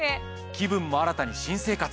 気分も新たに新生活。